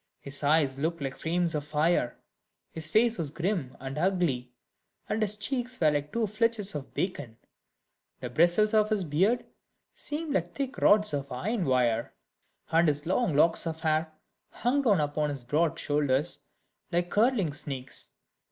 His eyes looked like flames of fire, his face was grim and ugly, and his cheeks were like two flitches of bacon; the bristles of his beard seemed to be thick rods of iron wire; and his long locks of hair hung down upon his broad shoulders like curling snakes.